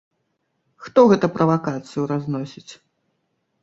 Хто гэта правакацыю разносіць.